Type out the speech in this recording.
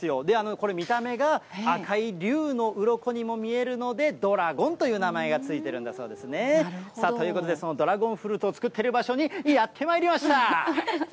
これ、見た目が赤い龍のうろこにも見えるので、ドラゴンという名前がついてるんだそうですね。ということで、そのドラゴンフルーツを作っている場所にやってまいりました。